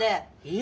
え？